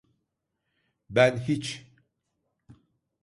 Ben hiç…